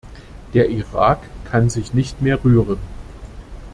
Der Irak kann sich nicht mehr rühren.